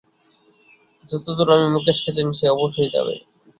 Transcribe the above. যতদূর আমি মুকেশকে জানি, সে অবশ্যই যাবে।